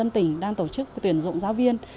tỉnh đang tổ chức tuyển dụng giáo viên